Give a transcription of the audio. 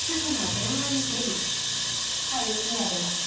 はい雪宮です。